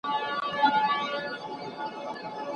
څېړونکی کولای سي په پخوانیو کارونو کي نوي شیان زیات کړي.